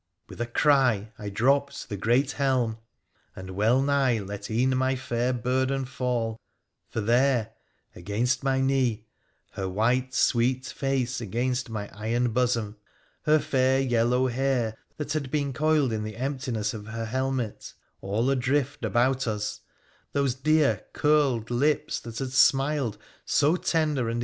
With a cry I dropped the great helm, and wellnigh let e'en my fair burden fall, for there, against my knee, her white, sweet face against my iron bosom, her fair yellow hair, that had been coiled in the emptiness of her helmet, all adrift about us, those dear curled lips that had smiled so tender and.